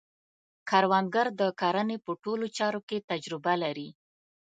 کروندګر د کرنې په ټولو چارو کې تجربه لري